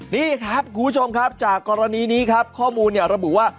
นี่ครับคุณผู้ชมครับจากกรณีนี้ครับข้อมูลระบุว่า